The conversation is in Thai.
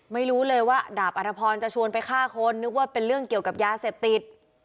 ไม่รู้เลยว่าดาบอัธพรจะชวนไปฆ่าคนนึกว่าเป็นเรื่องเกี่ยวกับยาเสพติด